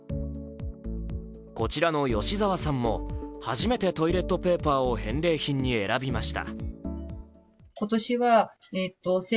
こちらの吉澤さんも初めてトイレットペーパーを返礼品に選びました。